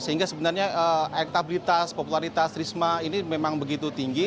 sehingga sebenarnya elektabilitas popularitas risma ini memang begitu tinggi